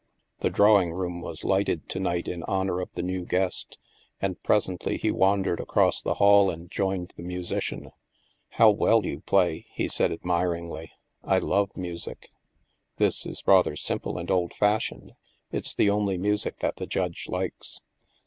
The drawing room was lighted to night in honor of the new guest, and presently he wandered across the hall and joined the musician. " How well you play," he said admiringly. *' I love music." " This is rather simple and old fashioned ; it's the only music that the Judge likes."